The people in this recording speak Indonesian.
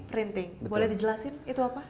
printing boleh dijelasin itu apa